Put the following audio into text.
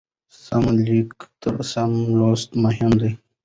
سم لیکل تر سم لوستلو مهم دي.